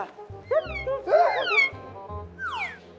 โธ